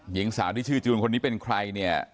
หญิงสาวที่ชื่อจูนคนนี้เป็นใครเนี่ย